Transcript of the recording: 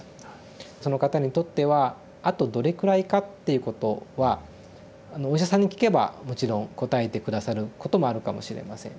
その方にとってはあとどれくらいかっていうことはお医者さんに聞けばもちろん答えて下さることもあるかもしれません。